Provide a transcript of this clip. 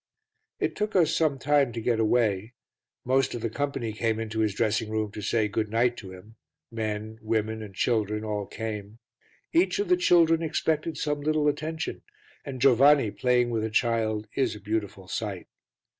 It took us some time to get away; most of the company came into his dressing room to say "Good night" to him, men, women and children all came; each of the children expected some little attention, and Giovanni playing with a child is a beautiful sight.